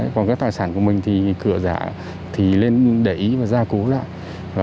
còn các tài sản của mình thì cửa giả lên đẩy và gia cố lại